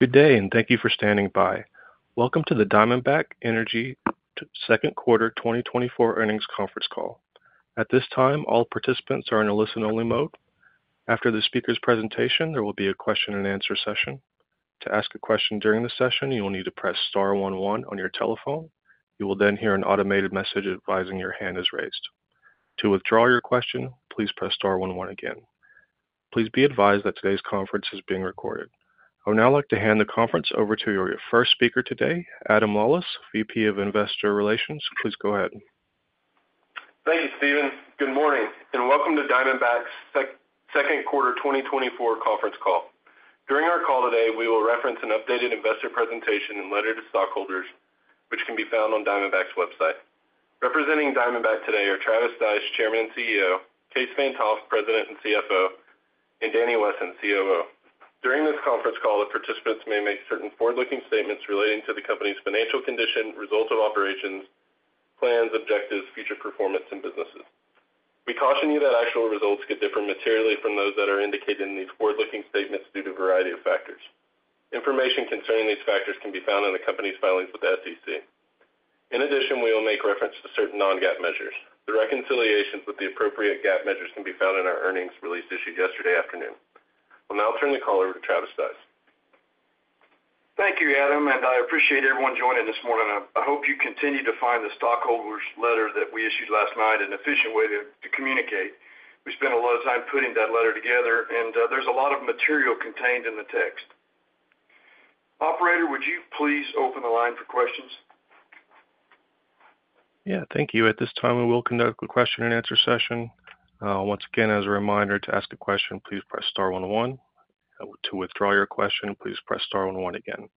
Good day, and thank you for standing by. Welcome to the Diamondback Energy Second Quarter 2024 Earnings Conference Call. At this time, all participants are in a listen-only mode. After the speaker's presentation, there will be a question-and-answer session. To ask a question during the session, you will need to press star one one on your telephone. You will then hear an automated message advising your hand is raised. To withdraw your question, please press star one one again. Please be advised that today's conference is being recorded. I would now like to hand the conference over to your first speaker today, Adam Lawlis, VP of Investor Relations. Please go ahead. Thank you, Steven. Good morning, and welcome to Diamondback's second quarter 2024 conference call. During our call today, we will reference an updated investor presentation and letter to stockholders, which can be found on Diamondback's website. Representing Diamondback today are Travis Stice, Chairman and CEO, Kaes Van't Hof, President and CFO, and Daniel Wesson, COO. During this conference call, the participants may make certain forward-looking statements relating to the company's financial condition, results of operations, plans, objectives, future performance, and businesses. We caution you that actual results could differ materially from those that are indicated in these forward-looking statements due to a variety of factors. Information concerning these factors can be found in the company's filings with the SEC. In addition, we will make reference to certain non-GAAP measures. The reconciliations with the appropriate GAAP measures can be found in our earnings release issued yesterday afternoon. I'll now turn the call over to Travis Stice. Thank you, Adam, and I appreciate everyone joining this morning. I hope you continue to find the stockholders' letter that we issued last night an efficient way to communicate. We spent a lot of time putting that letter together, and there's a lot of material contained in the text. Operator, would you please open the line for questions? Yeah, thank you. At this time, we will conduct a question-and-answer session. Once again, as a reminder, to ask a question, please press star one one. To withdraw your question, please press star one one again.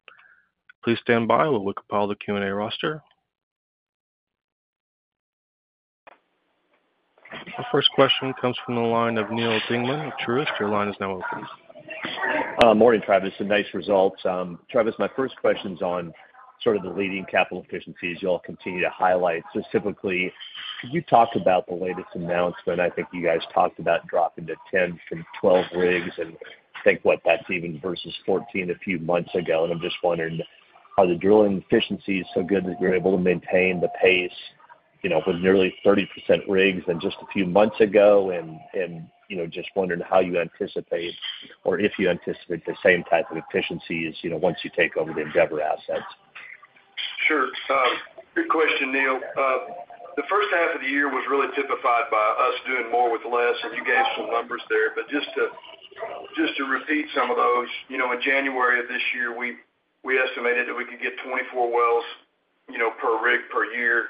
Please stand by, we'll compile the Q&A roster. The first question comes from the line of Neal Dingmann of Truist. Your line is now open. Morning, Travis, and nice results. Travis, my first question's on sort of the leading capital efficiencies you all continue to highlight. Specifically, could you talk about the latest announcement? I think you guys talked about dropping to 10 from 12 rigs, and I think what that's even versus 14 a few months ago. And I'm just wondering how the drilling efficiency is so good that you're able to maintain the pace, you know, with nearly 30% rigs than just a few months ago. And, you know, just wondering how you anticipate or if you anticipate the same type of efficiencies, you know, once you take over the Endeavor assets. Sure. Good question, Neal. The first half of the year was really typified by us doing more with less, and you gave some numbers there. But just to repeat some of those, you know, in January of this year, we estimated that we could get 24 wells, you know, per rig per year.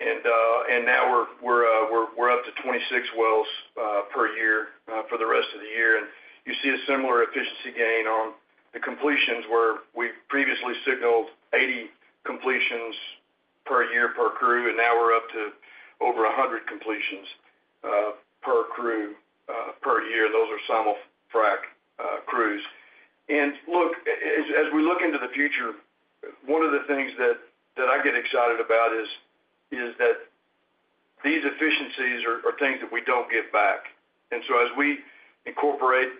And now we're up to 26 wells per year for the rest of the year. And you see a similar efficiency gain on the completions, where we previously signaled 80 completions per year per crew, and now we're up to over 100 completions per crew per year. Those are some frac crews. And look, as we look into the future, one of the things that I get excited about is that these efficiencies are things that we don't give back. And so as we incorporate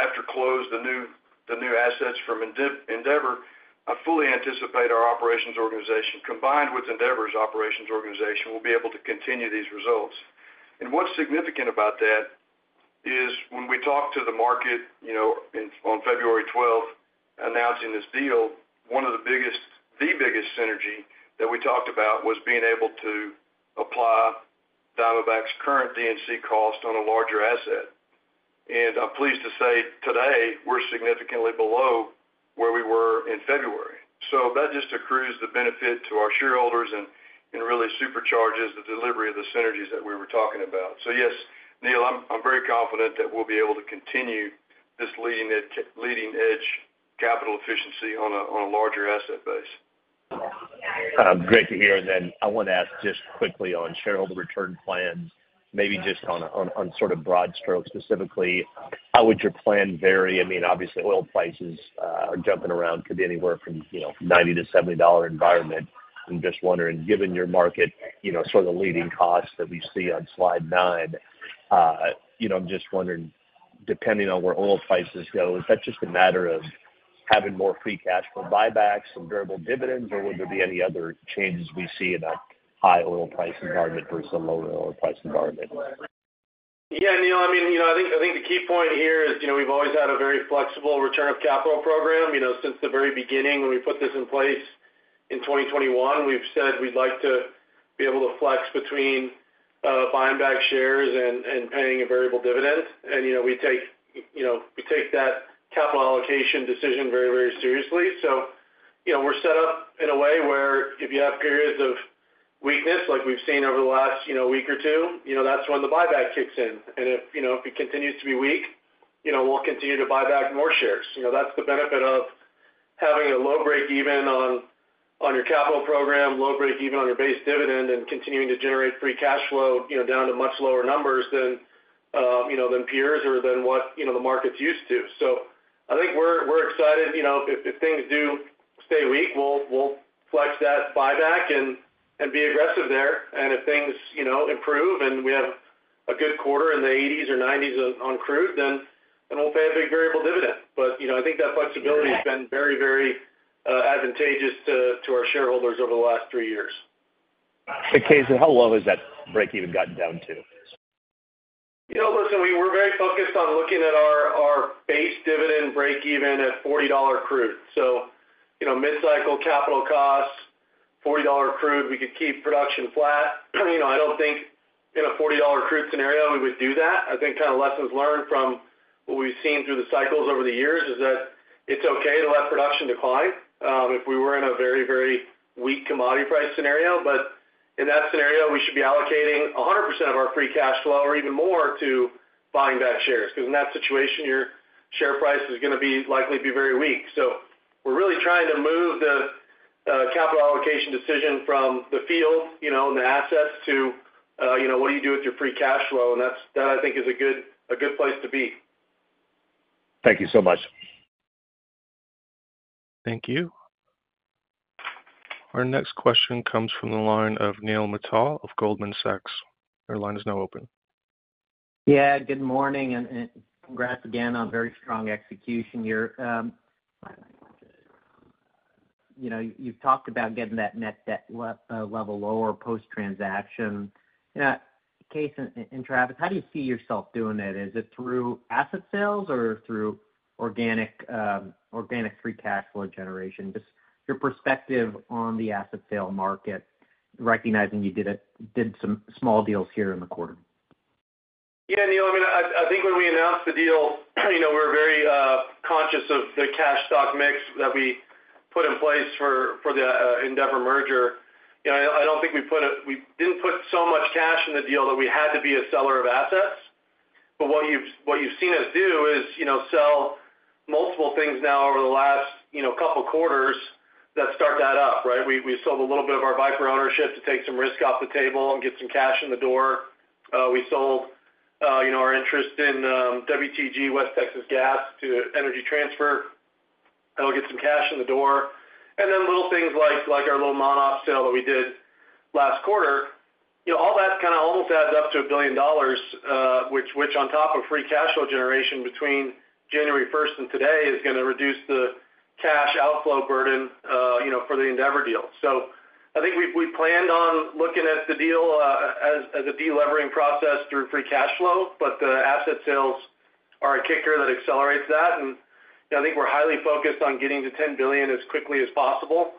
after close, the new assets from Endeavor, I fully anticipate our operations organization, combined with Endeavor's operations organization, will be able to continue these results. And what's significant about that is when we talk to the market, you know, on February twelfth, announcing this deal, the biggest synergy that we talked about was being able to apply Diamondback's current DNC cost on a larger asset. And I'm pleased to say today, we're significantly below where we were in February. So that just accrues the benefit to our shareholders and really supercharges the delivery of the synergies that we were talking about. So yes, Neal, I'm very confident that we'll be able to continue this leading-edge capital efficiency on a larger asset base. Great to hear. And then I want to ask just quickly on shareholder return plans, maybe just on sort of broad strokes, specifically, how would your plan vary? I mean, obviously, oil prices are jumping around, could be anywhere from, you know, $90-$70 dollar environment. I'm just wondering, given your market, you know, sort of leading costs that we see on slide 9, you know, I'm just wondering, depending on where oil prices go, is that just a matter of having more free cash flow buybacks and variable dividends, or would there be any other changes we see in a high oil price environment versus a lower oil price environment? Yeah, Neal, I mean, you know, I think, I think the key point here is, you know, we've always had a very flexible return of capital program. You know, since the very beginning, when we put this in place in 2021, we've said we'd like to be able to flex between buying back shares and paying a variable dividend. And, you know, we take, you know, we take that capital allocation decision very, very seriously. So, you know, we're set up in a way where if you have periods of weakness, like we've seen over the last, you know, week or two, you know, that's when the buyback kicks in. And if, you know, if it continues to be weak, you know, we'll continue to buy back more shares. You know, that's the benefit of having a low breakeven on your capital program, low breakeven on your base dividend, and continuing to generate free cash flow, you know, down to much lower numbers than, you know, than peers or than what, you know, the market's used to. So I think we're, we're excited. You know, if, if things do stay weak, we'll, we'll flex that buyback and, and be aggressive there. If things, you know, improve and we have a good quarter in the $80s or $90s on crude, then, then we'll pay a big variable dividend. But, you know, I think that flexibility has been very, very advantageous to our shareholders over the last three years. Kaes, how low has that breakeven gotten down to? You know, listen, we were very focused on looking at our, our base dividend breakeven at $40 crude. So, you know, mid-cycle capital costs, $40 crude, we could keep production flat. You know, I don't think in a $40 crude scenario, we would do that. I think kind of lessons learned from what we've seen through the cycles over the years is that it's okay to let production decline, if we were in a very, very weak commodity price scenario. But in that scenario, we should be allocating 100% of our free cash flow or even more to buying back shares, because in that situation, your share price is gonna be likely to be very weak. So we're really trying to move the, capital allocation decision from the field, you know, and the assets to, you know, what do you do with your free cash flow? And that's- that I think is a good, a good place to be. Thank you so much. Thank you. Our next question comes from the line of Neil Mehta of Goldman Sachs. Your line is now open. Yeah, good morning, and, and congrats again on very strong execution year. You know, you've talked about getting that net debt level lower post-transaction. Kaes and, and Travis, how do you see yourself doing that? Is it through asset sales or through organic, organic free cash flow generation? Just your perspective on the asset sale market, recognizing you did some small deals here in the quarter. Yeah, Neil, I mean, I think when we announced the deal, you know, we're very conscious of the cash stock mix that we put in place for the Endeavor merger. You know, I don't think we put it-- we didn't put so much cash in the deal that we had to be a seller of assets. But what you've seen us do is, you know, sell multiple things now over the last, you know, couple of quarters that start that up, right? We sold a little bit of our Viper ownership to take some risk off the table and get some cash in the door. We sold, you know, our interest in WTG, West Texas Gas, to Energy Transfer, and we'll get some cash in the door. And then little things like our little Monahans sale that we did last quarter. You know, all that kind of almost adds up to $1 billion, which on top of free cash flow generation between January first and today, is gonna reduce the cash outflow burden, you know, for the Endeavor deal. So I think we planned on looking at the deal as a delevering process through free cash flow, but the asset sales are a kicker that accelerates that. And, you know, I think we're highly focused on getting to $10 billion as quickly as possible.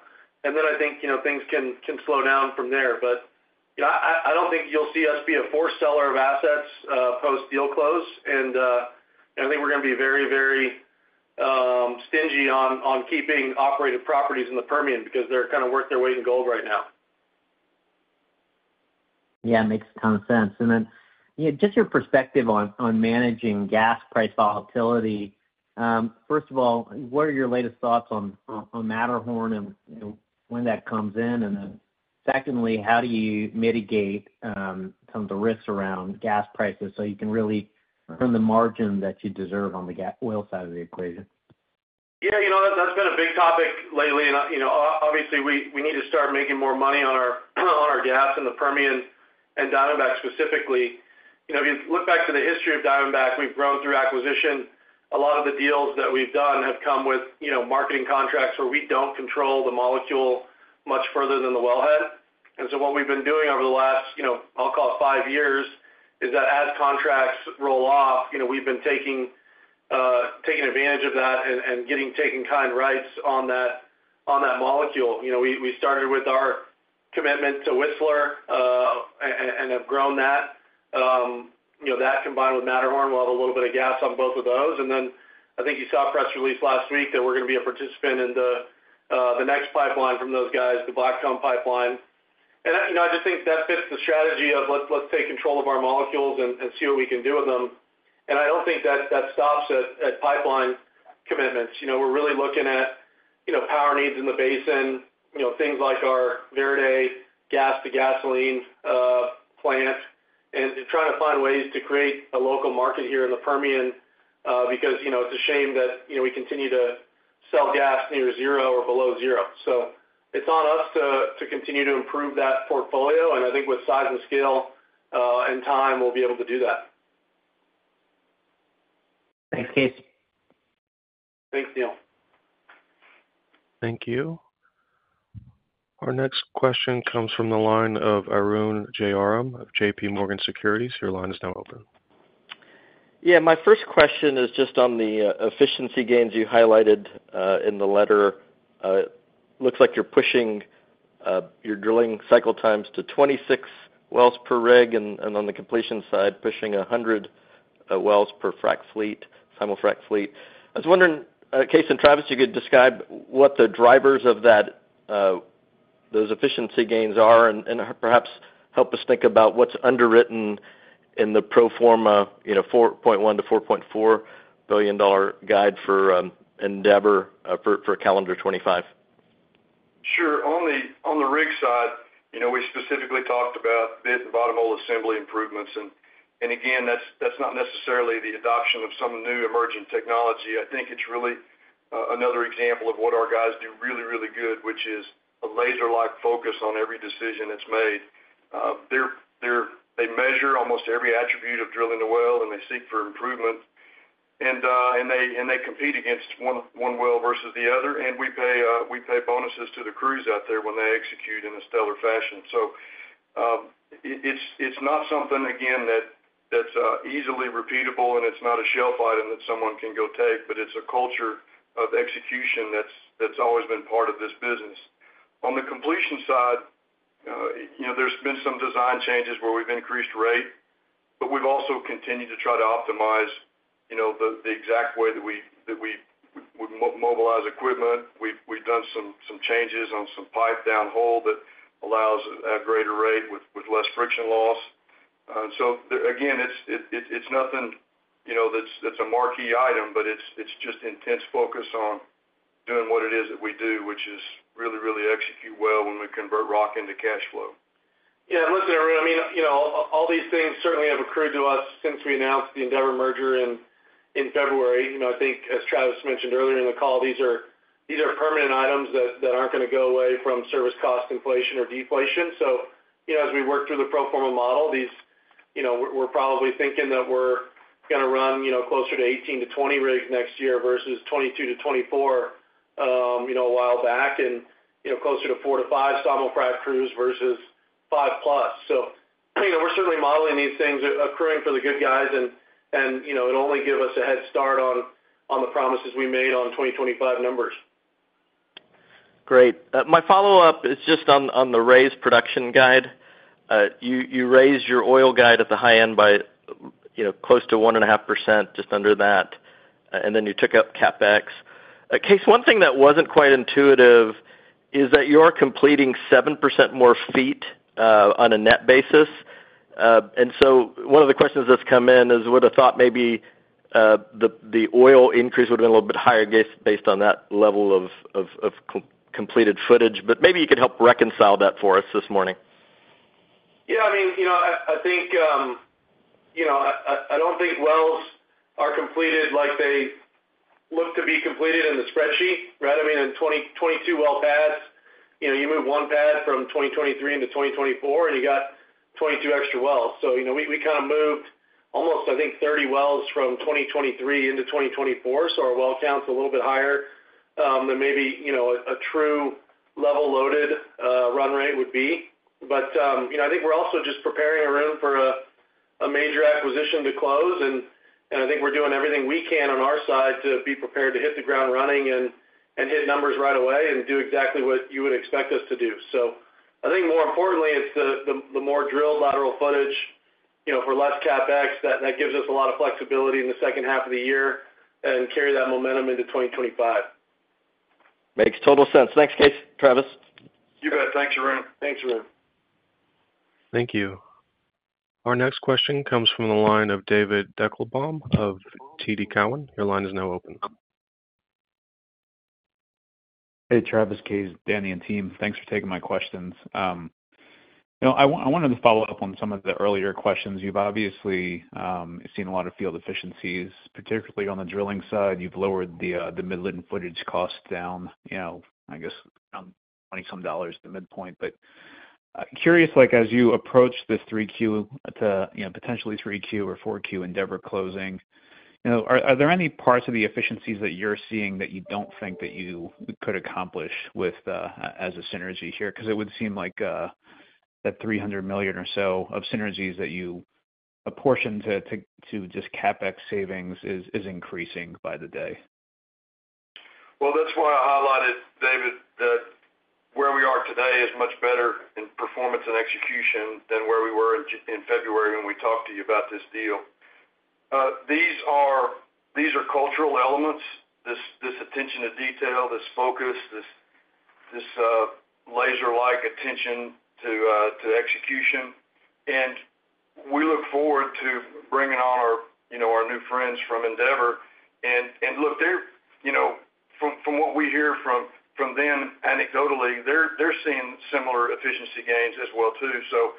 And then I think, you know, things can slow down from there. But, yeah, I don't think you'll see us be a forced seller of assets post-deal close. I think we're gonna be very, very stingy on keeping operated properties in the Permian because they're kind of worth their weight in gold right now. Yeah, makes a ton of sense. And then, yeah, just your perspective on managing gas price volatility. First of all, what are your latest thoughts on Matterhorn and, you know, when that comes in? And then secondly, how do you mitigate some of the risks around gas prices, so you can really earn the margin that you deserve on the gas-oil side of the equation? Yeah, you know, that's, that's been a big topic lately, and, you know, obviously, we, we need to start making more money on our, on our gas in the Permian and Diamondback, specifically. You know, if you look back to the history of Diamondback, we've grown through acquisition. A lot of the deals that we've done have come with, you know, marketing contracts where we don't control the molecule much further than the wellhead. And so what we've been doing over the last, you know, I'll call it five years, is that as contracts roll off, you know, we've been taking advantage of that and getting take-in-kind rights on that molecule. You know, we, we started with our commitment to Whistler, and have grown that. You know, that combined with Matterhorn, we'll have a little bit of gas on both of those. And then I think you saw a press release last week that we're gonna be a participant in the, the next pipeline from those guys, the Blackcomb Pipeline. And, you know, I just think that fits the strategy of let's, let's take control of our molecules and, and see what we can do with them. And I don't think that that stops at, at pipeline commitments. You know, we're really looking at, you know, power needs in the basin, you know, things like our Verde gas-to-gasoline plant, and trying to find ways to create a local market here in the Permian, because, you know, it's a shame that, you know, we continue to sell gas near zero or below zero. So it's on us to continue to improve that portfolio, and I think with size and scale, and time, we'll be able to do that. Thanks, Case. Thanks, Neil. Thank you. Our next question comes from the line of Arun Jayaram of J.P. Morgan Securities. Your line is now open. Yeah, my first question is just on the efficiency gains you highlighted in the letter. Looks like you're pushing your drilling cycle times to 26 wells per rig, and on the completion side, pushing 100 wells per frack fleet, simul frac fleet. I was wondering, Kaes and Travis, you could describe what the drivers of those efficiency gains are, and perhaps help us think about what's underwritten in the pro forma, you know, $4.1 billion-$4.4 billion guide for Endeavor for calendar 2025. Sure. On the rig side, you know, we specifically talked about bit and bottom hole assembly improvements, and again, that's not necessarily the adoption of some new emerging technology. I think it's really... another example of what our guys do really, really good, which is a laser-like focus on every decision that's made. They're, they measure almost every attribute of drilling a well, and they seek for improvement. And they compete against one well versus the other, and we pay bonuses to the crews out there when they execute in a stellar fashion. So, it's not something, again, that's easily repeatable, and it's not a shelf item that someone can go take, but it's a culture of execution that's always been part of this business. On the completion side, you know, there's been some design changes where we've increased rate, but we've also continued to try to optimize, you know, the exact way that we mobilize equipment. We've done some changes on some pipe down hole that allows a greater rate with less friction loss. So, again, it's nothing, you know, that's a marquee item, but it's just intense focus on doing what it is that we do, which is really execute well when we convert rock into cash flow. Yeah, listen, Arun, I mean, you know, all these things certainly have occurred to us since we announced the Endeavor merger in February. You know, I think, as Travis mentioned earlier in the call, these are permanent items that aren't gonna go away from service cost inflation or deflation. So, you know, as we work through the pro forma model, you know, we're probably thinking that we're gonna run, you know, closer to 18-20 rigs next year versus 22-24 a while back and, you know, closer to 4-5 simul-frac crews versus 5+. So, you know, we're certainly modeling these things occurring for the good guys and, you know, it'll only give us a head start on the promises we made on the 2025 numbers. Great. My follow-up is just on the raise production guide. You raised your oil guide at the high end by, you know, close to 1.5%, just under that, and then you took up CapEx. Kaes, one thing that wasn't quite intuitive is that you're completing 7% more feet on a net basis. And so one of the questions that's come in is, would have thought maybe the oil increase would have been a little bit higher based on that level of completed footage. But maybe you could help reconcile that for us this morning. Yeah, I mean, you know, I think, you know, I don't think wells are completed like they look to be completed in the spreadsheet, right? I mean, in 2022 well pads, you know, you move one pad from 2023 into 2024, and you got 22 extra wells. So, you know, we kind of moved almost, I think, 30 wells from 2023 into 2024. So our well count's a little bit higher than maybe, you know, a true level-loaded run rate would be. But, you know, I think we're also just preparing the room for a major acquisition to close, and I think we're doing everything we can on our side to be prepared to hit the ground running and hit numbers right away and do exactly what you would expect us to do. So I think more importantly, it's the more drilled lateral footage, you know, for less CapEx, that gives us a lot of flexibility in the second half of the year and carry that momentum into 2025. Makes total sense. Thanks, guys, Travis. You bet. Thanks, Arun. Thanks, Arun. Thank you. Our next question comes from the line of David Deckelbaum of TD Cowen. Your line is now open. Hey, Travis, Kaes, Daniel, and team, thanks for taking my questions. You know, I wanted to follow up on some of the earlier questions. You've obviously seen a lot of field efficiencies, particularly on the drilling side. You've lowered the Midland footage cost down, you know, I guess, $20-some to the midpoint. But curious, like, as you approach this 3Q to, you know, potentially 3Q or 4Q Endeavor closing, you know, are there any parts of the efficiencies that you're seeing that you don't think that you could accomplish with the, as a synergy here? Because it would seem like that $300 million or so of synergies that you apportion to just CapEx savings is increasing by the day. Well, that's why I highlighted, David, that where we are today is much better in performance and execution than where we were in February when we talked to you about this deal. These are cultural elements, this attention to detail, this focus, this laser-like attention to execution. And we look forward to bringing on our, you know, our new friends from Endeavor. And look, they're, you know, from what we hear from them anecdotally, they're seeing similar efficiency gains as well, too. So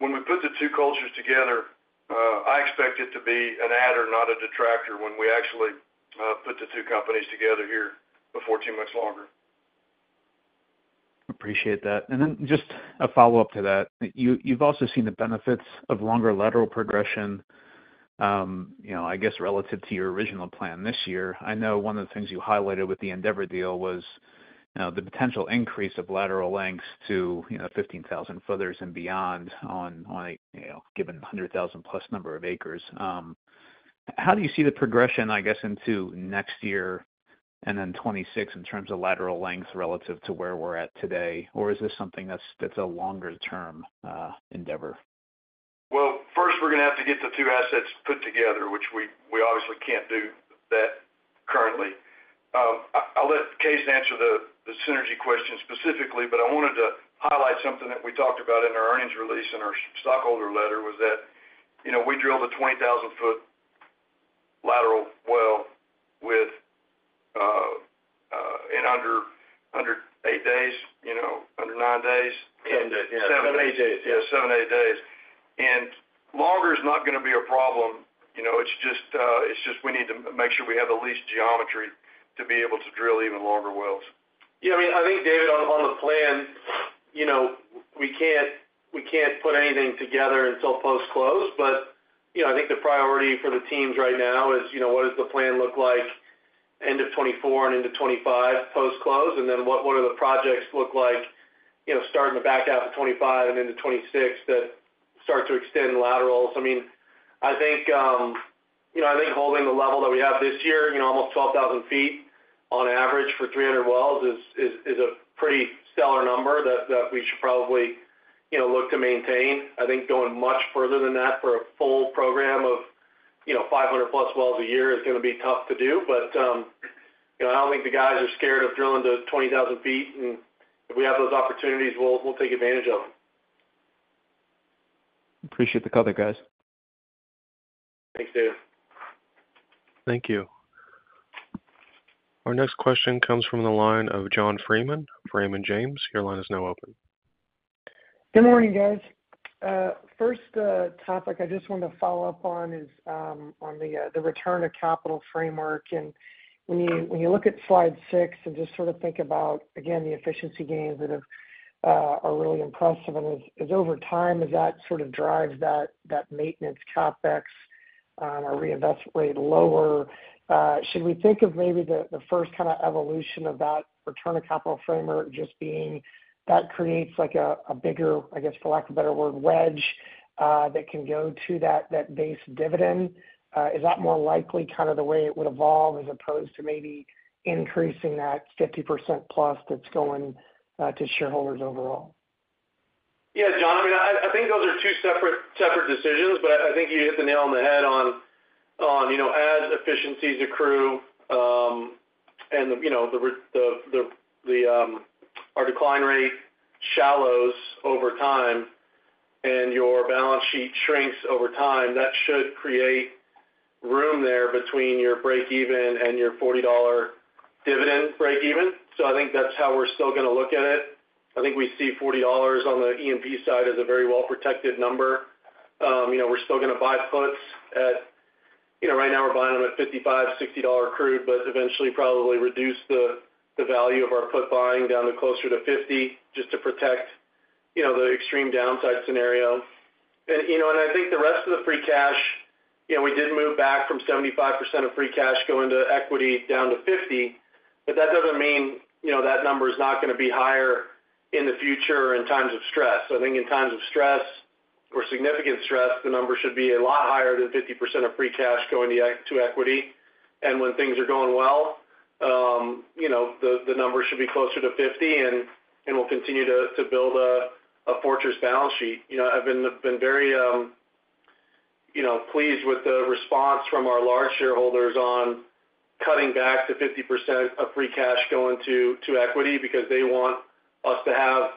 when we put the two cultures together, I expect it to be an adder, not a detractor, when we actually put the two companies together here before two months longer. Appreciate that. And then just a follow-up to that. You've also seen the benefits of longer lateral progression, you know, I guess, relative to your original plan this year. I know one of the things you highlighted with the Endeavor deal was the potential increase of lateral lengths to, you know, 15,000-footers and beyond on a given 100,000+ number of acres. How do you see the progression, I guess, into next year and then 2026 in terms of lateral length relative to where we're at today? Or is this something that's a longer-term endeavor? Well, first, we're gonna have to get the two assets put together, which we obviously can't do that currently. I, I'll let Kaes answer the synergy question specifically, but I wanted to highlight something that we talked about in our earnings release and our stockholder letter was that, you know, we drilled a 20,000-foot lateral well with in under eight days, you know, under nine days? 7 days. Yeah, 7, 8 days. Yeah, 7, 8 days. Longer is not gonna be a problem, you know, it's just, it's just we need to make sure we have the lease geometry to be able to drill even longer wells. Yeah, I mean, I think, David, on the plan, you know, we can't, we can't put anything together until post-close. But, you know, I think the priority for the teams right now is, you know, what does the plan look like end of 2024 and into 2025, post-close? And then what are the projects look like, you know, starting to back out to 2025 and into 2026, that start to extend laterals. I mean, I think, you know, I think holding the level that we have this year, you know, almost 12,000 feet on average for 300 wells, is a pretty stellar number that we should probably, you know, look to maintain. I think going much further than that for a full program of, you know, 500+ wells a year is gonna be tough to do. You know, I don't think the guys are scared of drilling to 20,000 feet, and if we have those opportunities, we'll take advantage of them. Appreciate the color, guys. Thanks, David. Thank you. Our next question comes from the line of John Freeman, Raymond James. Your line is now open. Good morning, guys. First topic I just wanted to follow up on is on the return of capital framework. When you look at slide 6 and just sort of think about again the efficiency gains that are really impressive, and as over time as that sort of drives that maintenance CapEx or reinvest rate lower, should we think of maybe the first kind of evolution of that return on capital framework just being that creates like a bigger, I guess, for lack of a better word, wedge that can go to that base dividend? Is that more likely kind of the way it would evolve as opposed to maybe increasing that 50% plus that's going to shareholders overall? Yeah, John, I mean, I think those are two separate decisions, but I think you hit the nail on the head on, you know, as efficiencies accrue, and, you know, our decline rate shallows over time, and your balance sheet shrinks over time, that should create room there between your breakeven and your $40 dividend breakeven. So I think that's how we're still gonna look at it. I think we see $40 on the EMP side as a very well-protected number. You know, we're still gonna buy puts at... You know, right now we're buying them at $55, $60 crude, but eventually probably reduce the value of our put buying down to closer to 50, just to protect, you know, the extreme downside scenario. You know, I think the rest of the free cash, you know, we did move back from 75% of free cash going to equity down to 50, but that doesn't mean, you know, that number is not gonna be higher in the future in times of stress. So I think in times of stress or significant stress, the number should be a lot higher than 50% of free cash going to equity. And when things are going well, you know, the numbers should be closer to 50, and we'll continue to build a fortress balance sheet. You know, I've been very, you know, pleased with the response from our large shareholders on cutting back to 50% of free cash going to equity, because they want us to have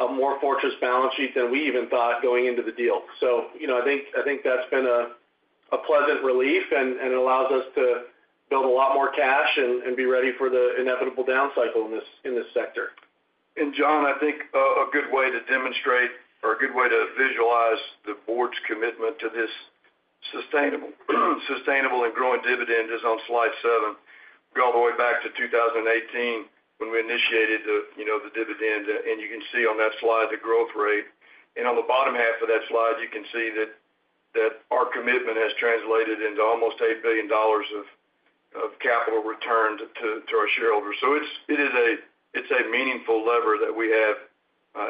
a more fortress balance sheet than we even thought going into the deal. So, you know, I think that's been a pleasant relief, and it allows us to build a lot more cash and be ready for the inevitable down cycle in this sector. And John, I think a good way to demonstrate or a good way to visualize the board's commitment to this sustainable, sustainable and growing dividend is on slide 7. Go all the way back to 2018, when we initiated the, you know, the dividend, and you can see on that slide the growth rate. And on the bottom half of that slide, you can see that, that our commitment has translated into almost $8 billion of, of capital returned to, to our shareholders. So it's, it is a, it's a meaningful lever that we have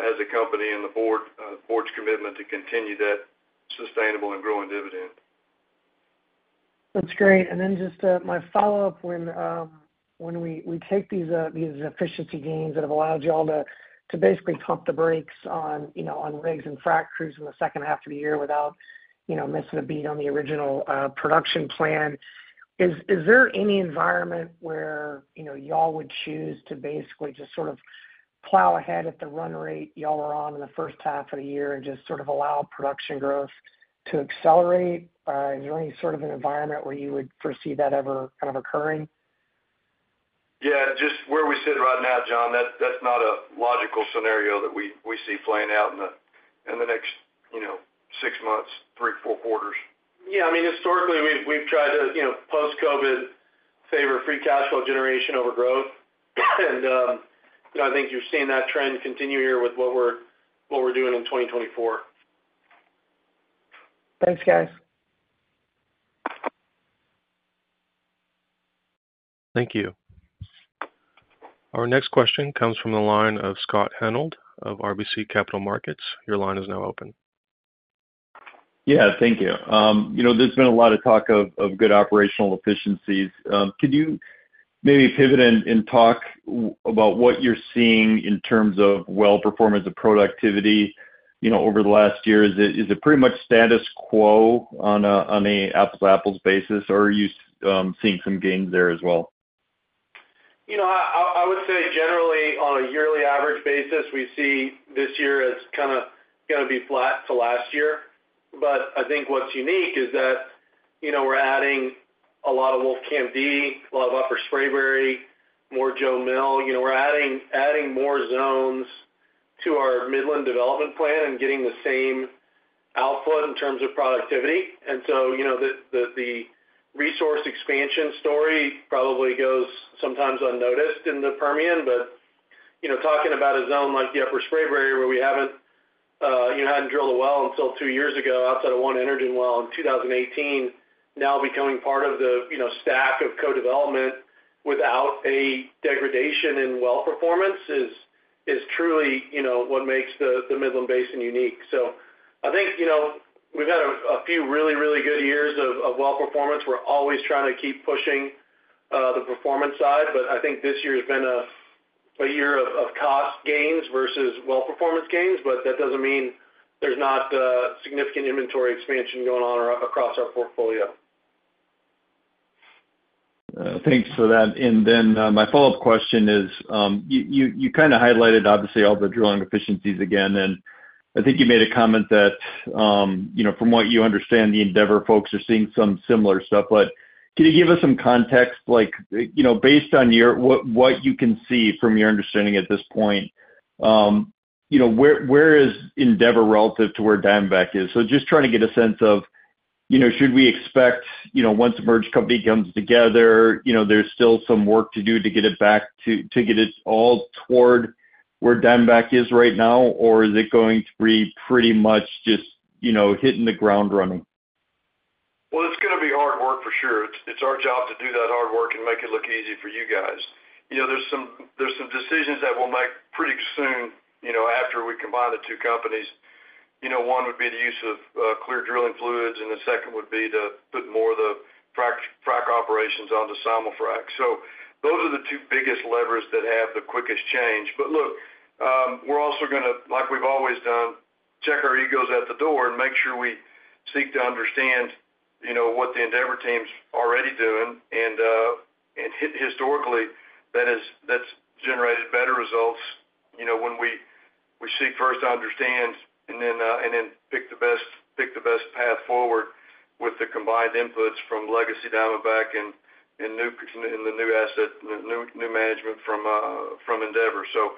as a company, and the board's commitment to continue that sustainable and growing dividend. That's great. And then just my follow-up, when we take these efficiency gains that have allowed you all to basically pump the brakes on, you know, on rigs and frac crews in the second half of the year without, you know, missing a beat on the original production plan, is there any environment where, you know, y'all would choose to basically just sort of plow ahead at the run rate y'all are on in the first half of the year and just sort of allow production growth to accelerate? Is there any sort of an environment where you would foresee that ever kind of occurring? Yeah, just where we sit right now, John, that's not a logical scenario that we see playing out in the next, you know, 6 months, 3-4 quarters. Yeah, I mean, historically, we've tried to, you know, post-COVID favor free cash flow generation over growth. And, you know, I think you've seen that trend continue here with what we're doing in 2024. Thanks, guys. Thank you. Our next question comes from the line of Scott Hanold of RBC Capital Markets. Your line is now open. Yeah, thank you. You know, there's been a lot of talk of good operational efficiencies. Could you maybe pivot and talk about what you're seeing in terms of well performance and productivity, you know, over the last year? Is it pretty much status quo on an apples-to-apples basis, or are you seeing some gains there as well? You know, I would say generally, on a yearly average basis, we see this year as kind of gonna be flat to last year. But I think what's unique is that, you know, we're adding a lot of Wolfcamp D, a lot of Upper Spraberry, more Jo Mill. You know, we're adding more zones to our Midland development plan and getting the same output in terms of productivity. And so, you know, the resource expansion story probably goes sometimes unnoticed in the Permian, but, you know, talking about a zone like the Upper Spraberry, where we haven't, you know, hadn't drilled a well until two years ago, outside of one Energen well in 2018, now becoming part of the, you know, stack of co-development without a degradation in well performance, is truly, you know, what makes the Midland Basin unique. So I think, you know, we've had a few really, really good years of well performance. We're always trying to keep pushing the performance side, but I think this year has been a year of cost gains versus well performance gains, but that doesn't mean there's not significant inventory expansion going on or across our portfolio. Thanks for that. And then my follow-up question is, you kind of highlighted, obviously, all the drilling efficiencies again, and I think you made a comment that, you know, from what you understand, the Endeavor folks are seeing some similar stuff. But can you give us some context, like, you know, based on your—what you can see from your understanding at this point, you know, where is Endeavor relative to where Diamondback is? So just trying to get a sense of, you know, should we expect, you know, once the merged company comes together, you know, there's still some work to do to get it back to, to get it all toward where Diamondback is right now, or is it going to be pretty much just, you know, hitting the ground running? Well, it's gonna be hard work for sure. It's our job to do that hard work and make it look easy for you guys. You know, there's some decisions that we'll make pretty soon, you know, after we combine the two companies. You know, one would be the use of clear drilling fluids, and the second would be to put more of the frack, frack operations onto Simul-frac. So those are the two biggest levers that have the quickest change. But look, we're also gonna, like we've always done, check our egos at the door and make sure we seek to understand, you know, what the Endeavor team's already doing, and historically, that's generated better results, you know, when we seek first to understand, and then pick the best, pick the best path forward with the combined inputs from legacy Diamondback and the new asset, the new, new management from Endeavor. So,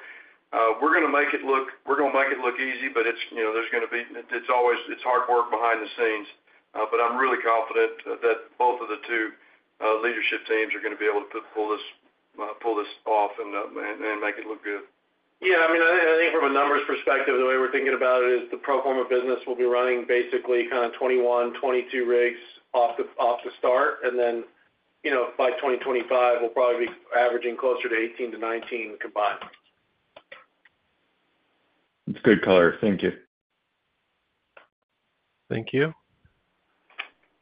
we're gonna make it look, we're gonna make it look easy, but it's, you know, there's gonna be... It's always- it's hard work behind the scenes, but I'm really confident that both of the two leadership teams are gonna be able to pull this, pull this off and make it look good. Yeah, I mean, I think from a numbers perspective, the way we're thinking about it is the pro forma business will be running basically kind of 21, 22 rigs off the, off the start, and then, you know, by 2025, we'll probably be averaging closer to 18-19 combined. It's good color. Thank you. Thank you.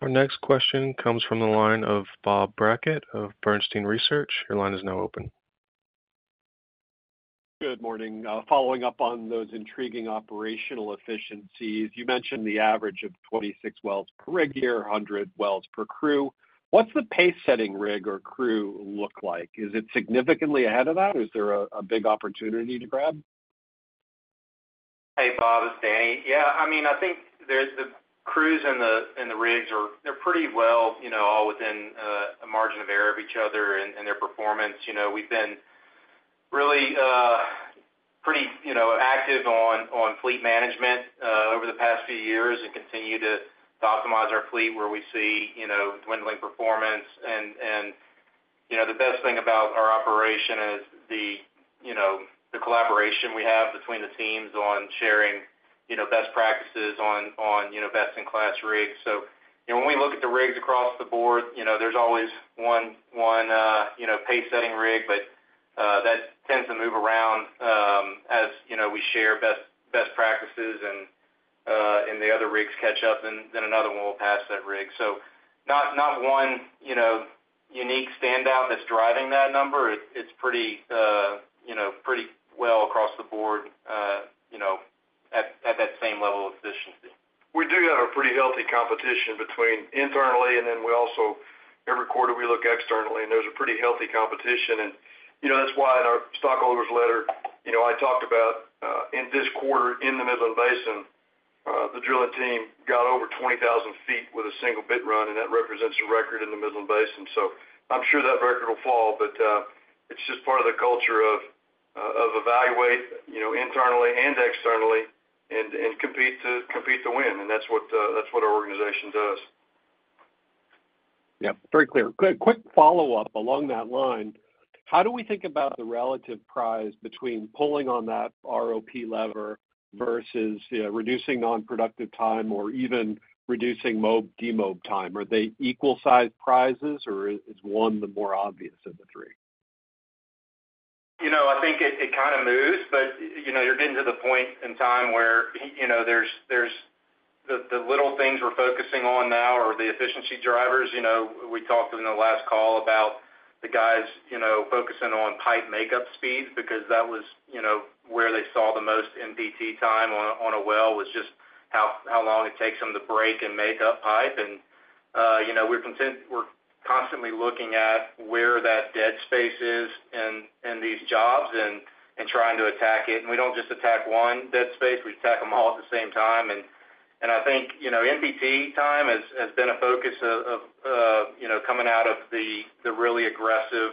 Our next question comes from the line of Bob Brackett of Bernstein Research. Your line is now open. Good morning. Following up on those intriguing operational efficiencies, you mentioned the average of 26 wells per rig year, 100 wells per crew. What's the pace-setting rig or crew look like? Is it significantly ahead of that? Is there a big opportunity to grab? Hey, Bob, it's Daniel. Yeah, I mean, I think there's... The crews and the rigs are they're pretty well, you know, all within a margin of error of each other and, in their performance. You know, we've been really pretty, you know, active on fleet management over the past few years and continue to optimize our fleet where we see, you know, dwindling performance. And, you know, the best thing about our operation is the, you know, the collaboration we have between the teams on sharing, you know, best practices on, you know, best-in-class rigs. So, you know, when we look at the rigs across the board, you know, there's always one, you know, pace-setting rig, but that tends to move around, as, you know, we share best practices and the other rigs catch up, and then another one will pass that rig. So not one, you know, unique standout that's driving that number. It's pretty, you know, pretty well across the board, you know, at that same level of efficiency. We do have a pretty healthy competition between internally, and then we also, every quarter, we look externally, and there's a pretty healthy competition. And, you know, that's why in our stockholders' letter, you know, I talked about, in this quarter, in the Midland Basin, the drilling team got over 20,000 feet with a single bit run, and that represents a record in the Midland Basin. So I'm sure that record will fall, but, it's just part of the culture of, of evaluate, you know, internally and externally and, and compete to, compete to win. And that's what, that's what our organization does. Yeah, very clear. Quick, quick follow-up along that line. How do we think about the relative prize between pulling on that ROP lever versus reducing non-productive time or even reducing mob, demob time? Are they equal-sized prizes, or is one the more obvious of the three? You know, I think it kind of moves, but, you know, you're getting to the point in time where, you know, there's the little things we're focusing on now are the efficiency drivers. You know, we talked in the last call about the guys, you know, focusing on pipe makeup speeds because that was, you know, where they saw the most NPT time on a well, was just how long it takes them to break and make up pipe. And, you know, we're content- ... looking at where that dead space is in these jobs and trying to attack it. And we don't just attack one dead space, we attack them all at the same time. And I think, you know, NPT time has been a focus of, you know, coming out of the really aggressive,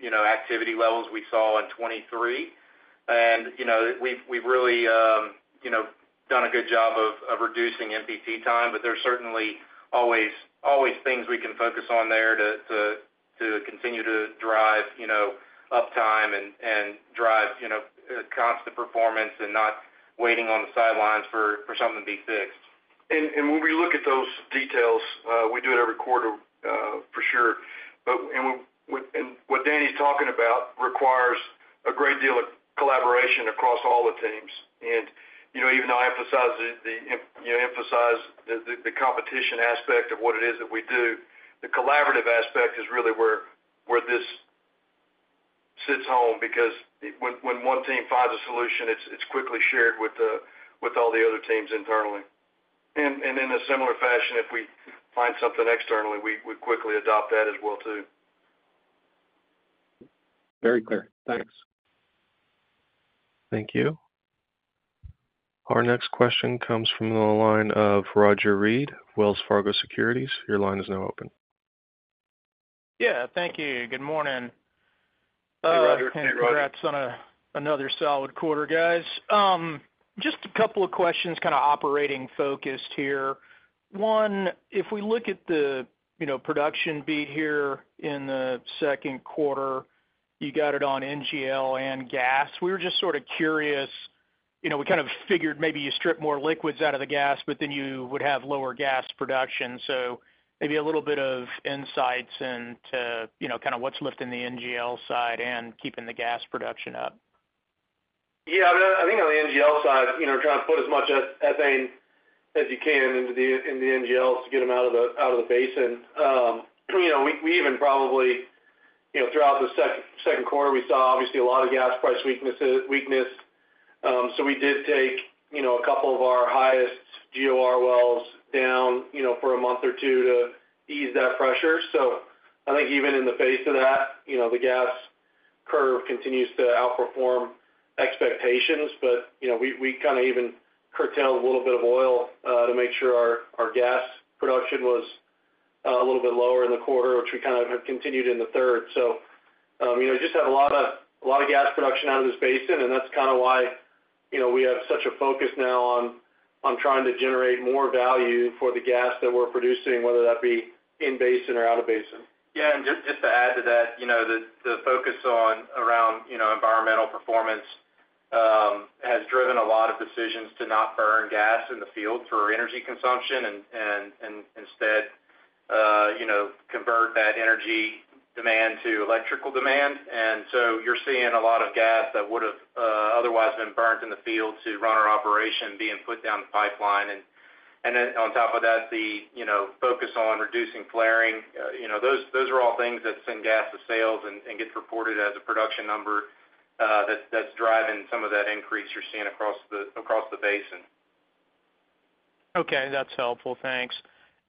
you know, activity levels we saw in 2023. And, you know, we've really, you know, done a good job of reducing NPT time, but there's certainly always things we can focus on there to continue to drive, you know, uptime and drive, you know, constant performance and not waiting on the sidelines for something to be fixed. And when we look at those details, we do it every quarter, for sure. But what Daniel's talking about requires a great deal of collaboration across all the teams. And, you know, even though I emphasize the, you know, emphasize the competition aspect of what it is that we do, the collaborative aspect is really where this sits home, because when one team finds a solution, it's quickly shared with all the other teams internally. And in a similar fashion, if we find something externally, we quickly adopt that as well, too. Very clear. Thanks. Thank you. Our next question comes from the line of Roger Read, Wells Fargo Securities. Your line is now open. Yeah, thank you. Good morning. Hey, Roger. Hey, Roger. Congrats on another solid quarter, guys. Just a couple of questions, kind of operating focused here. One, if we look at the, you know, production beat here in the second quarter, you got it on NGL and gas. We were just sort of curious, you know, we kind of figured maybe you strip more liquids out of the gas, but then you would have lower gas production. So maybe a little bit of insights into, you know, kind of what's lifting the NGL side and keeping the gas production up. Yeah, I think on the NGL side, you know, trying to put as much ethane as you can into the, in the NGLs to get them out of the, out of the basin. You know, we even probably, you know, throughout the second quarter, we saw obviously a lot of gas price weakness. So we did take, you know, a couple of our highest GOR wells down, you know, for a month or two to ease that pressure. So I think even in the face of that, you know, the gas curve continues to outperform expectations. But, you know, we kind of even curtailed a little bit of oil to make sure our gas production was a little bit lower in the quarter, which we kind of have continued in the third. So, you know, just have a lot of, a lot of gas production out of this basin, and that's kind of why, you know, we have such a focus now on trying to generate more value for the gas that we're producing, whether that be in-basin or out-of-basin. Yeah, and just to add to that, you know, the focus on around, you know, environmental performance has driven a lot of decisions to not burn gas in the field for energy consumption and, and instead, you know, convert that energy demand to electrical demand. And so you're seeing a lot of gas that would have otherwise been burned in the field to run our operation being put down the pipeline. And then on top of that, you know, focus on reducing flaring. You know, those are all things that send gas to sales and gets reported as a production number, that's driving some of that increase you're seeing across the basin. Okay, that's helpful. Thanks.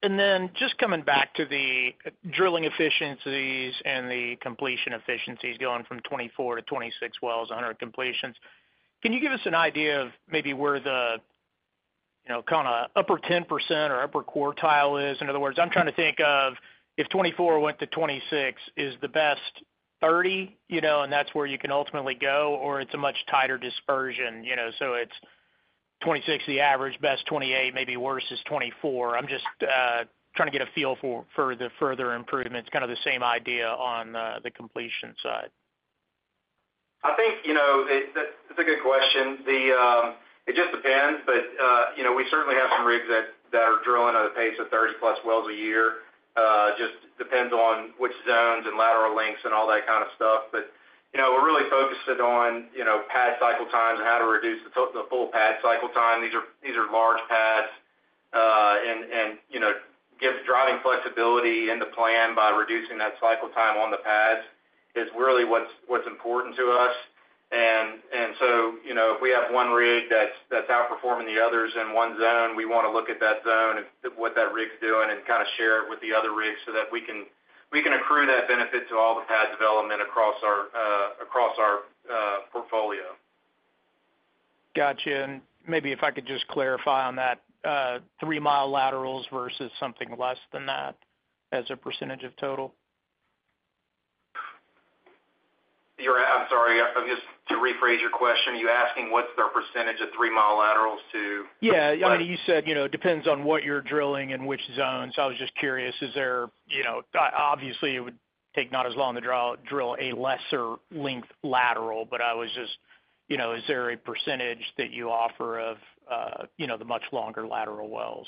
And then just coming back to the drilling efficiencies and the completion efficiencies, going from 24 to 26 wells on our completions. Can you give us an idea of maybe where the, you know, kind of upper 10% or upper quartile is? In other words, I'm trying to think of if 24 went to 26, is the best 30, you know, and that's where you can ultimately go, or it's a much tighter dispersion, you know, so it's 26, the average, best 28, maybe worse is 24. I'm just trying to get a feel for the further improvements, kind of the same idea on the completion side. I think, you know, that's a good question. It just depends, but, you know, we certainly have some rigs that are drilling at a pace of 30+ wells a year. Just depends on which zones and lateral lengths and all that kind of stuff. But, you know, we're really focused in on, you know, pad cycle times and how to reduce the full pad cycle time. These are large pads, and, you know, give driving flexibility in the plan by reducing that cycle time on the pads is really what's important to us. You know, if we have one rig that's outperforming the others in one zone, we want to look at that zone and what that rig's doing and kind of share it with the other rigs so that we can accrue that benefit to all the pad development across our portfolio. Gotcha. Maybe if I could just clarify on that, three-mile laterals versus something less than that as a percentage of total? I'm sorry, just to rephrase your question, are you asking what's their percentage of three-mile laterals to- Yeah. I mean, you said, you know, it depends on what you're drilling and which zones. I was just curious, is there, you know, obviously, it would take not as long to drill a lesser length lateral, but I was just, you know, is there a percentage that you offer of, you know, the much longer lateral wells?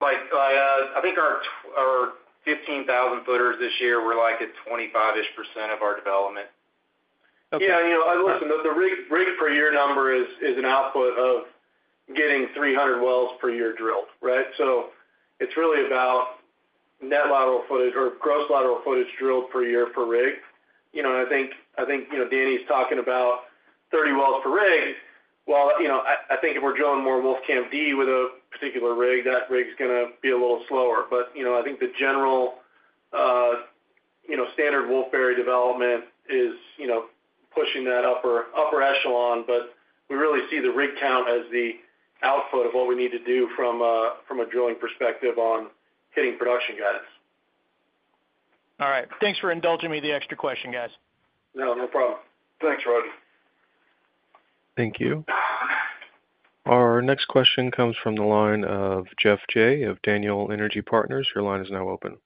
Like, I think our 15,000 footers this year were, like, at 25%-ish of our development. Okay. Yeah, you know, listen, the rig, rig per year number is, is an output of getting 300 wells per year drilled, right? So it's really about net lateral footage or gross lateral footage drilled per year per rig. You know, and I think, I think, you know, Daniel's talking about 30 wells per rig, while, you know, I, I think if we're drilling more Wolfcamp D with a particular rig, that rig's gonna be a little slower. But, you know, I think the general, you know, standard Wolfberry development is, you know, pushing that upper, upper echelon, but we really see the rig count as the output of what we need to do from a, from a drilling perspective on hitting production guidance. All right. Thanks for indulging me the extra question, guys. No, no problem. Thanks, Roger. Thank you. Our next question comes from the line of Geoff Jay of Daniel Energy Partners. Your line is now open.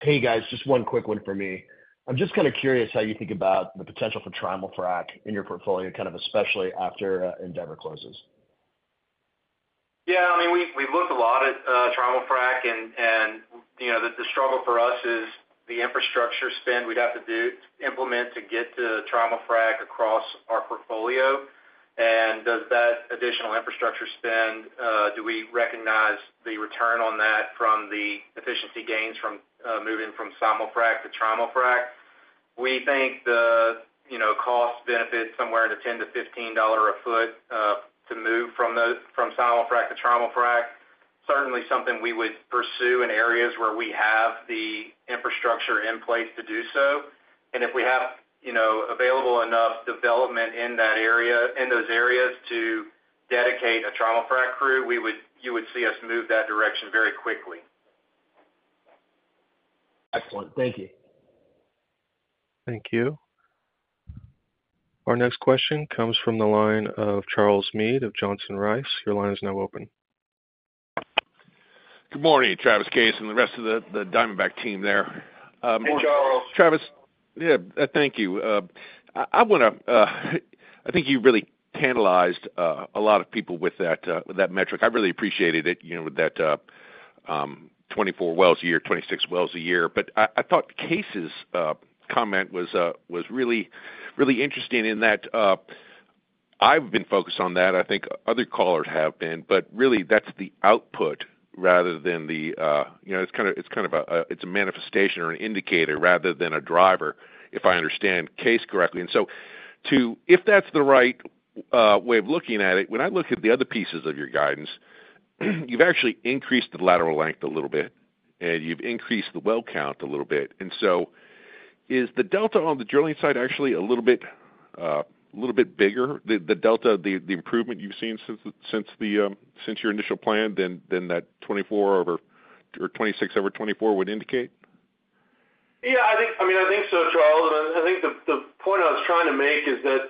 Hey, guys, just one quick one for me. I'm just kind of curious how you think about the potential for trimul-frac in your portfolio, kind of especially after Endeavor closes. Yeah, I mean, we've looked a lot at trimul-frac, and you know, the struggle for us is the infrastructure spend we'd have to do to implement to get to trimul-frac across our portfolio. And does that additional infrastructure spend do we recognize the return on that from the efficiency gains from moving from Simul-frac to trimul-frac? We think the, you know, cost benefit somewhere in the $10-$15 a foot to move from those, from Simul-frac to trimul-frac. Certainly something we would pursue in areas where we have the infrastructure in place to do so. And if we have, you know, available enough development in that area, in those areas to dedicate a trimul-frac crew, we would—you would see us move that direction very quickly. Excellent. Thank you. Thank you. Our next question comes from the line of Charles Meade of Johnson Rice. Your line is now open. Good morning, Travis Stice and the rest of the Diamondback team there. Hey, Charles. Travis, yeah, thank you. I wanna, I think you really tantalized a lot of people with that, with that metric. I really appreciated it, you know, with that, 24 wells a year, 26 wells a year. But I thought Kaes's comment was really, really interesting in that, I've been focused on that. I think other callers have been, but really, that's the output rather than the, you know, it's kind of a - it's a manifestation or an indicator rather than a driver, if I understand Kaes correctly. And so to - if that's the right way of looking at it, when I look at the other pieces of your guidance, you've actually increased the lateral length a little bit, and you've increased the well count a little bit. So is the delta on the drilling side actually a little bit bigger, the delta, the improvement you've seen since your initial plan than that 24 over or 26 over 24 would indicate? Yeah, I think, I mean, I think so, Charles. And I think the point I was trying to make is that,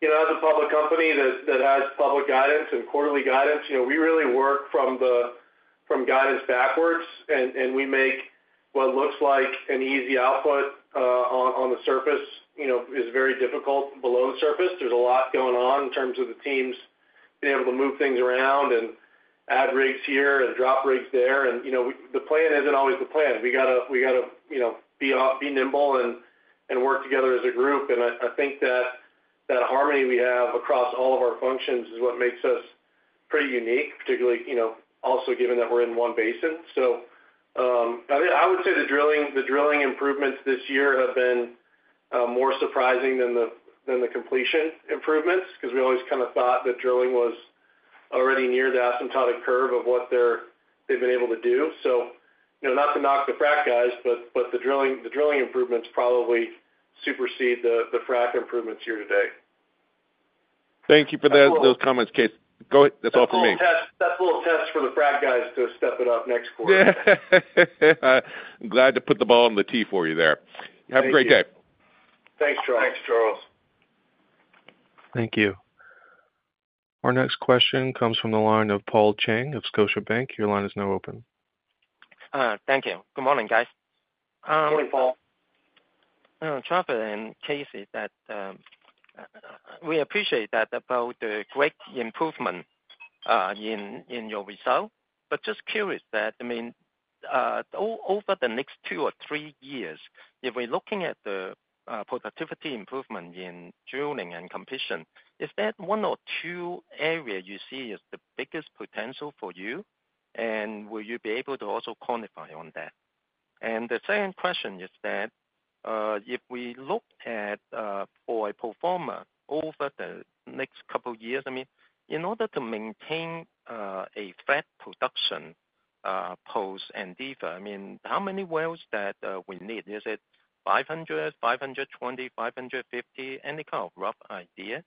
you know, as a public company that has public guidance and quarterly guidance, you know, we really work from the guidance backwards, and we make what looks like an easy output on the surface, you know, is very difficult below the surface. There's a lot going on in terms of the teams being able to move things around and add rigs here and drop rigs there. And, you know, the plan isn't always the plan. We gotta, you know, be nimble and work together as a group. And I think that harmony we have across all of our functions is what makes us pretty unique, particularly, you know, also given that we're in one basin. So, I mean, I would say the drilling, the drilling improvements this year have been more surprising than the completion improvements, 'cause we always kind of thought that drilling was already near the asymptotic curve of what they've been able to do. So, you know, not to knock the frac guys, but the drilling, the drilling improvements probably supersede the frac improvements here today. Thank you for those comments, Kaes. Go ahead. That's all for me. That's a little test, that's a little test for the frac guys to step it up next quarter. Glad to put the ball on the tee for you there. Thank you. Have a great day. Thanks, Charles. Thank you. Our next question comes from the line of Paul Cheng of Scotiabank. Your line is now open. Thank you. Good morning, guys. Good morning, Paul. Travis and Kaes, we appreciate that about the great improvement in your results. But just curious, I mean, over the next two or three years, if we're looking at the productivity improvement in drilling and completion, is there one or two areas you see as the biggest potential for you? And will you be able to also quantify on that? And the second question is, if we looked at for a performer over the next couple of years, I mean, in order to maintain a flat production, post Endeavor, I mean, how many wells that we need? Is it 500, 520, 550? Any kind of rough idea.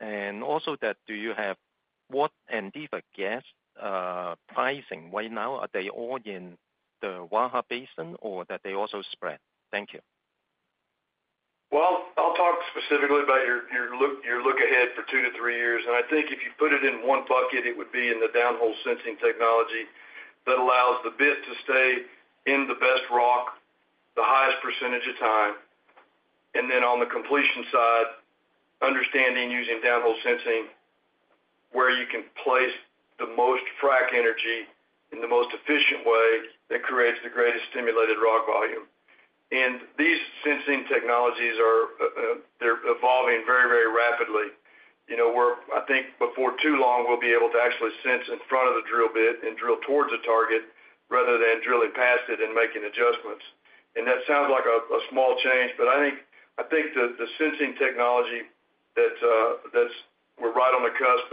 And also that do you have what Endeavor gas pricing right now? Are they all in the Waha Basin or that they also spread? Thank you. Well, I'll talk specifically about your outlook ahead for 2-3 years. And I think if you put it in one bucket, it would be in the downhole sensing technology that allows the bit to stay in the best rock, the highest percentage of time. And then on the completion side, understanding, using downhole sensing, where you can place the most frac energy in the most efficient way that creates the greatest stimulated rock volume. And these sensing technologies are, they're evolving very, very rapidly. You know, I think before too long, we'll be able to actually sense in front of the drill bit and drill towards a target rather than drilling past it and making adjustments. That sounds like a small change, but I think the sensing technology that we're right on the cusp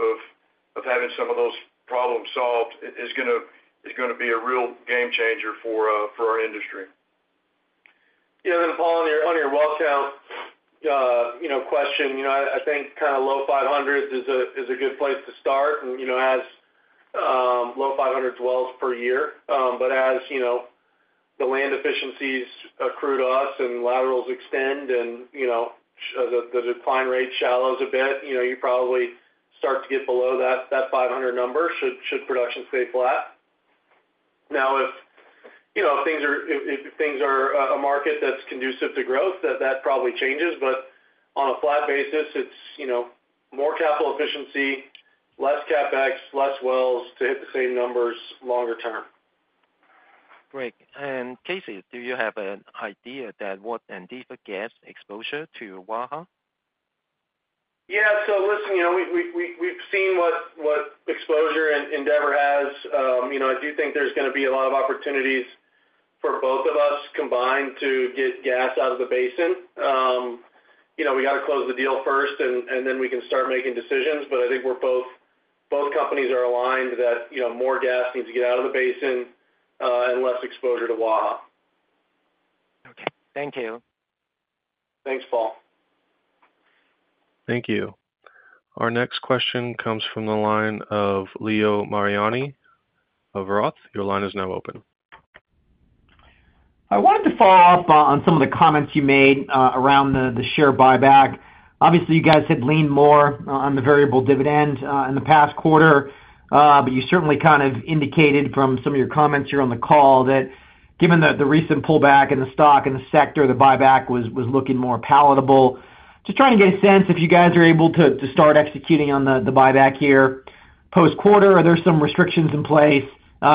of having some of those problems solved is gonna be a real game changer for our industry. Yeah, then, Paul, on your, on your well count, you know, question, you know, I think kind of low 500s is a good place to start. And, you know, as low 500s wells per year. But as, you know, the land efficiencies accrue to us and laterals extend and, you know, the decline rate shallows a bit, you know, you probably start to get below that 500 number, should production stay flat. Now, if, you know, things are, if things are a market that's conducive to growth, that probably changes, but on a flat basis, it's, you know, more capital efficiency, less CapEx, less wells to hit the same numbers longer term. Great. And Stice, do you have an idea that what Endeavor gas exposure to Waha? Yeah. So listen, you know, we've seen what exposure and Endeavor has. You know, I do think there's gonna be a lot of opportunities for both of us combined to get gas out of the basin. You know, we got to close the deal first and then we can start making decisions. But I think we're both—both companies are aligned that, you know, more gas needs to get out of the basin, and less exposure to Waha. Okay. Thank you. Thanks, Paul. Thank you. Our next question comes from the line of Leo Mariani of Roth. Your line is now open. I wanted to follow up on some of the comments you made around the share buyback. Obviously, you guys had leaned more on the variable dividend in the past quarter, but you certainly kind of indicated from some of your comments here on the call that given the recent pullback in the stock and the sector, the buyback was looking more palatable. Just trying to get a sense if you guys are able to start executing on the buyback here post-quarter, are there some restrictions in place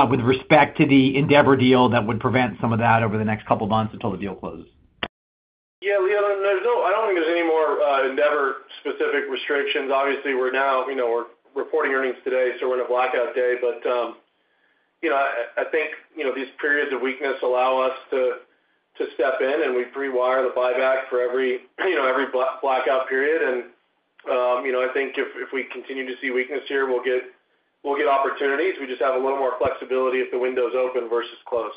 with respect to the Endeavor deal that would prevent some of that over the next couple of months until the deal closes? Yeah, Leo, there's no, I don't think there's any more Endeavor specific restrictions. Obviously, we're now, you know, we're reporting earnings today, so we're in a blackout day. But, you know, I, I think, you know, these periods of weakness allow us to, to step in, and we pre-wire the buyback for every, you know, every blackout period. And, you know, I think if, if we continue to see weakness here, we'll get, we'll get opportunities. We just have a little more flexibility if the window's open versus closed.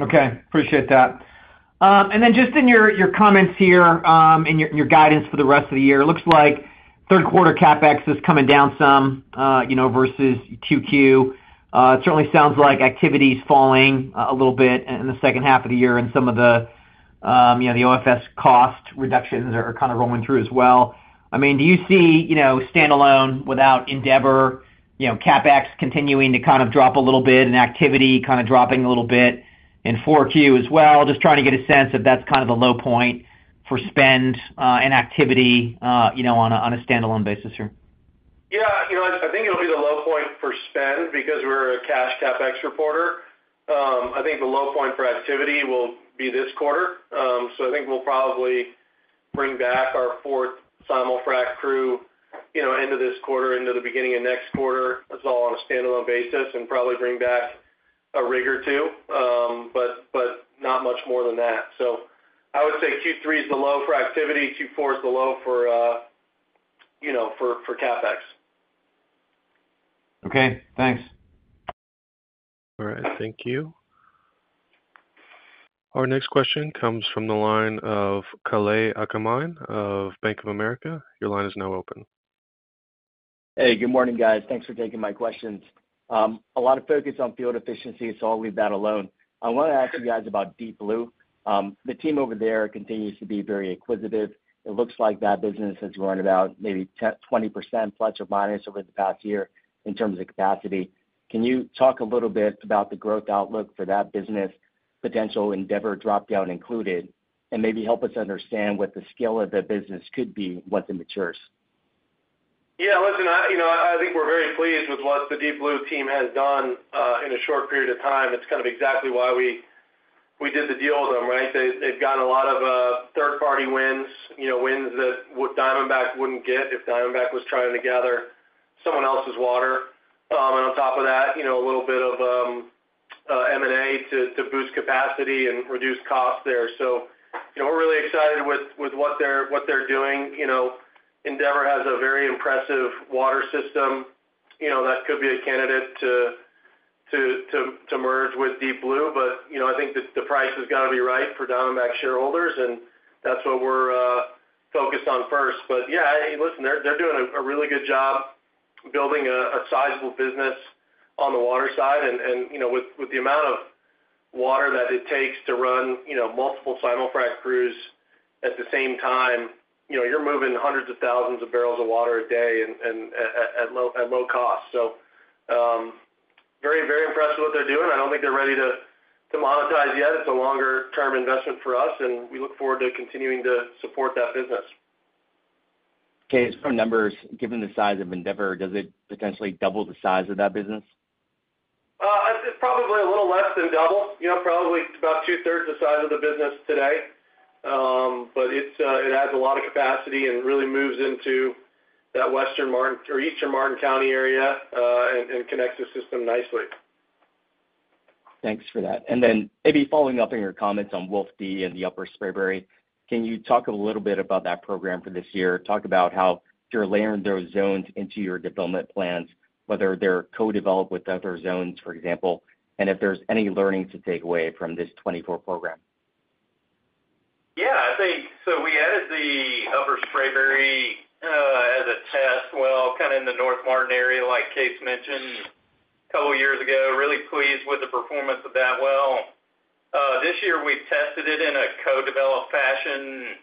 Okay. Appreciate that. And then just in your comments here, and your guidance for the rest of the year. It looks like third quarter CapEx is coming down some, you know, versus QQ. It certainly sounds like activity is falling a little bit in the second half of the year, and some of the, you know, the OFS cost reductions are kind of rolling through as well. I mean, do you see, you know, standalone without Endeavor, you know, CapEx continuing to kind of drop a little bit and activity kind of dropping a little bit in 4Q as well? Just trying to get a sense if that's kind of the low point for spend, and activity, you know, on a standalone basis here. Yeah, you know, I think it'll be the low point for spend because we're a cash CapEx reporter. I think the low point for activity will be this quarter. So I think we'll probably bring back our fourth simul-frac crew, you know, into this quarter, into the beginning of next quarter. That's all on a standalone basis, and probably bring back a rig or two, but not much more than that. So I would say Q3 is the low for activity, Q4 is the low for, you know, for CapEx. Okay, thanks. All right, thank you. Our next question comes from the line of Kalei Akamine of Bank of America. Your line is now open. Hey, good morning, guys. Thanks for taking my questions. A lot of focus on field efficiency, so I'll leave that alone. I want to ask you guys about Deep Blue. The team over there continues to be very acquisitive. It looks like that business has grown about maybe 10-20%, plus or minus, over the past year in terms of capacity. Can you talk a little bit about the growth outlook for that business, potential Endeavor drop-down included, and maybe help us understand what the scale of that business could be, once it matures? Yeah, listen, I, you know, I think we're very pleased with what the Deep Blue team has done in a short period of time. It's kind of exactly why we did the deal with them, right? They've gotten a lot of third-party wins, you know, wins that what Diamondback wouldn't get if Diamondback was trying to gather someone else's water. And on top of that, you know, a little bit of M&A to boost capacity and reduce costs there. So, you know, we're really excited with what they're doing. You know, Endeavor has a very impressive water system, you know, that could be a candidate to merge with Deep Blue. But, you know, I think the price has got to be right for Diamondback shareholders, and that's what we're focused on first. But, yeah, hey, listen, they're doing a really good job building a sizable business on the water side. And, you know, with the amount of water that it takes to run, you know, multiple simul-frac crews at the same time, you know, you're moving hundreds of thousands of barrels of water a day and at low cost. So, very, very impressed with what they're doing. I don't think they're ready to monetize yet. It's a longer-term investment for us, and we look forward to continuing to support that business. Okay. Just from numbers, given the size of Endeavor, does it potentially double the size of that business?... It's probably a little less than double, you know, probably about two-thirds the size of the business today. But it adds a lot of capacity and really moves into that Western Martin County or Eastern Martin County area, and connects the system nicely. Thanks for that. Then maybe following up on your comments on Wolf D and the Upper Spraberry, can you talk a little bit about that program for this year? Talk about how you're layering those zones into your development plans, whether they're co-developed with other zones, for example, and if there's any learnings to take away from this 2024 program. Yeah, I think so we added the Upper Spraberry as a test well, kind of in the North Martin area, like Case mentioned a couple of years ago. Really pleased with the performance of that well. This year we've tested it in a co-developed fashion,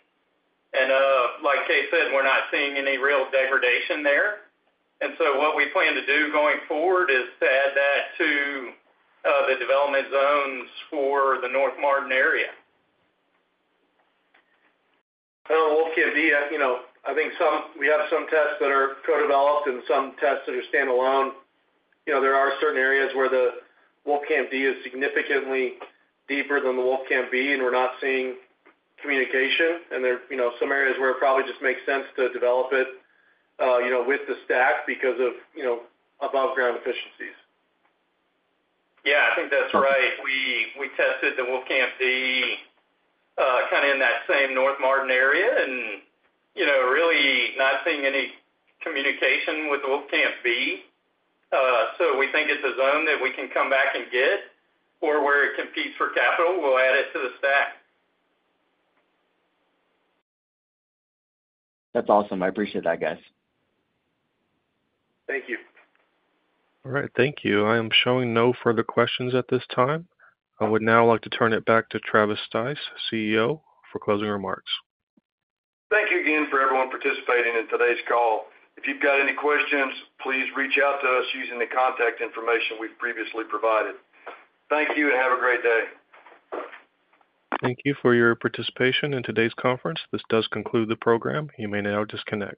and like Case said, we're not seeing any real degradation there. And so what we plan to do going forward is to add that to the development zones for the North Martin area. Wolfcamp D, you know, I think we have some tests that are co-developed and some tests that are standalone. You know, there are certain areas where the Wolfcamp D is significantly deeper than the Wolfcamp B, and we're not seeing communication. And there's, you know, some areas where it probably just makes sense to develop it, you know, with the stack because of, you know, above ground efficiencies. Yeah, I think that's right. We tested the Wolfcamp D, kind of in that same North Martin area, and, you know, really not seeing any communication with Wolfcamp B. So we think it's a zone that we can come back and get or where it competes for capital, we'll add it to the stack. That's awesome. I appreciate that, guys. Thank you. All right, thank you. I am showing no further questions at this time. I would now like to turn it back to Travis Stice, CEO, for closing remarks. Thank you again for everyone participating in today's call. If you've got any questions, please reach out to us using the contact information we've previously provided. Thank you, and have a great day. Thank you for your participation in today's conference. This does conclude the program. You may now disconnect.